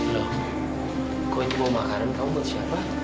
lo kau ini mau makanan kamu buat siapa